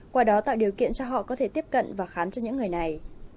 qua đó tạo điều kiện cho họ có thể tiếp cận và khám cho những người này